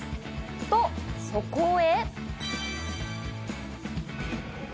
と、そこへ。